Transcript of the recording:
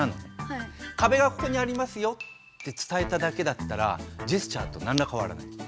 カベがここにありますよって伝えただけだったらジェスチャーとなんらかわらない。